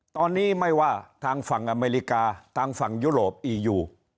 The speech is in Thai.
ตอนนี้ไม่ว่าทางฝั่งอเมริกาทางฝั่งยุโรปอียู